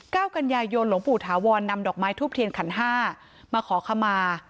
กันยายนหลวงปู่ถาวรนำดอกไม้ทูบเทียนขันห้ามาขอขมา